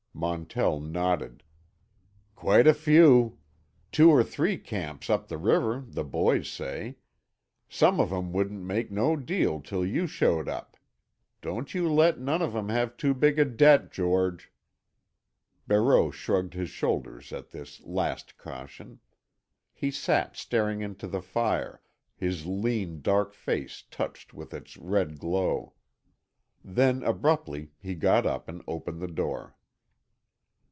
Montell nodded. "Quite a few. Two or three camps up the river, the boys say. Some of 'em wouldn't make no deal till you showed up. Don't you let none of 'em have too big a debt, George." Barreau shrugged his shoulders at this last caution. He sat staring into the fire, his lean, dark face touched with its red glow. Then abruptly he got up and opened the door.